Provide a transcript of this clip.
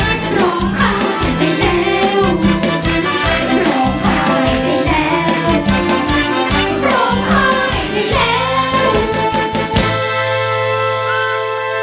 ร้องให้ไม่เลว